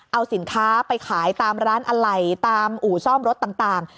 เอาสินค้าไปขายตามร้านอะไหล่ตามอู่ซ่อมรถต่าง